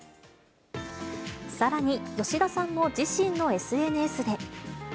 さらに吉田さんも自身のＳＮＳで。